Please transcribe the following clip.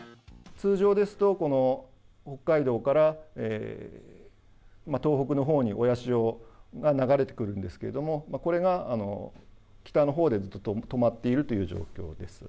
通常ですと、この北海道から東北のほうに親潮が流れてくるんですけれども、これが北のほうでずっと止まっているという状況です。